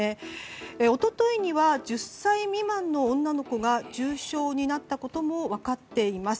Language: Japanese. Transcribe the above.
一昨日には１０歳未満の女の子が重症になったことも分かっています。